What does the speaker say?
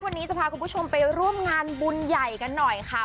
วันนี้จะพาคุณผู้ชมไปร่วมงานบุญใหญ่กันหน่อยค่ะ